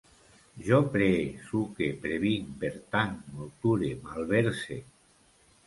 Jo pree, suque, previnc, pertanc, molture, malverse